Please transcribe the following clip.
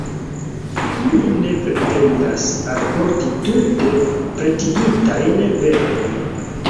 Mi ne pretendas alporti tute pretigitajn verojn.